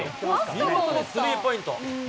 見事なスリーポイント。